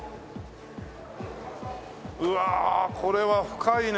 うわこれは深いね。